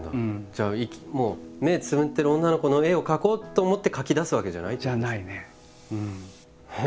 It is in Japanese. じゃあもう目つむってる女の子の絵を描こうと思って描きだすわけじゃないってことですか？